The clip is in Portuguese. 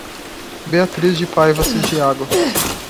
Beatriz de Paiva Santiago